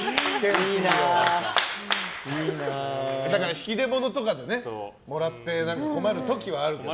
引き出物とかでもらって困る時はあるけど。